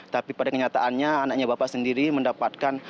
tapi pada kenyataannya anaknya bapak sendiri mendapatkan